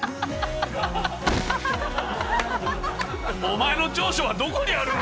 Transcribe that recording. お前の長所はどこにある。